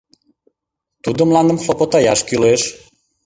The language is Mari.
Тудо мландым хлопотаяш кӱлеш.